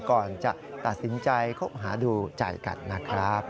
ก่อนจะตัดสินใจคบหาดูใจกันนะครับ